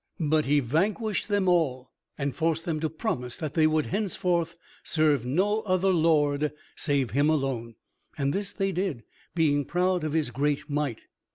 But he vanquished them all, and forced them to promise that they would henceforth serve no other lord save him alone. And this they did, being proud of his great might.